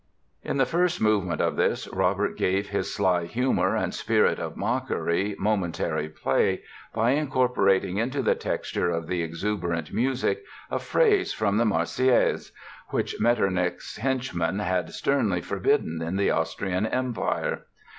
In the first movement of this Robert gave his sly humor and spirit of mockery momentary play by incorporating into the texture of the exuberant music a phrase from the "Marseillaise", which Metternich's henchmen had sternly forbidden in the Austrian Empire.